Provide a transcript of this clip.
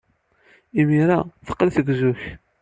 Imir-a, teqqel tgezzu-k.